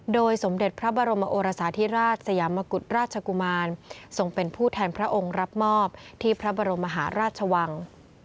โดยสมเด็จพระบรมโอรสาธิราชสยามกุฎราชกุมารทรงเป็นผู้แทนพระองค์รับมอบที่พระบรมมหาราชวัง